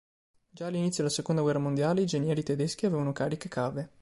Già all'inizio della seconda guerra mondiale i genieri tedeschi avevano cariche cave.